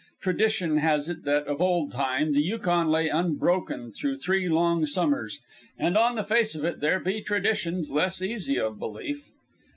Tradition has it that of old time the Yukon lay unbroken through three long summers, and on the face of it there be traditions less easy of belief.